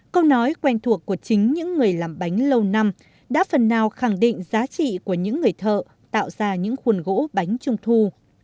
câu nói quen thuộc của chính những người làm bánh lâu năm đã phần nào khẳng định giá trị của những người thợ tạo ra những khuôn gỗ bánh trung thu